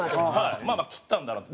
まあまあ切ったんだなと。